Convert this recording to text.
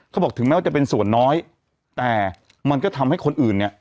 ถึงแม้ว่าจะเป็นส่วนน้อยแต่มันก็ทำให้คนอื่นเนี่ย